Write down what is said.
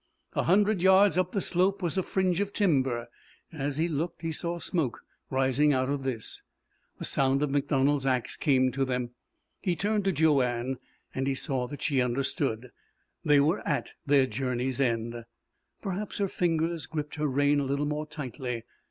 A hundred yards up the slope was a fringe of timber, and as he looked he saw smoke rising out of this. The sound of MacDonald's axe came to them. He turned to Joanne, and he saw that she understood. They were at their journey's end. Perhaps her fingers gripped her rein a little more tightly.